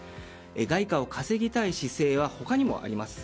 外貨を稼ぎたい姿勢は他にもあります。